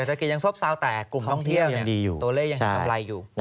ธุรกิจยังโซ่บซาวแต่กลุ่มท่องเที่ยวตัวเล่ยังไกลอยู่